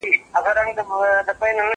هغه څوک چي واښه راوړي منظم وي؟